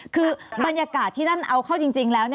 คือบรรยากาศที่นั่นเอาเข้าจริงแล้ว